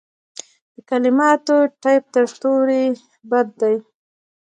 د کلماتو ټپ تر تورې بد دی.